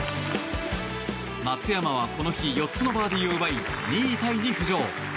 松山はこの日４つのバーディーを奪い２位タイに浮上。